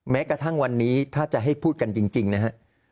แม้กระทั่งวันนี้ถ้าจะให้พูดกันจริงนะฮะ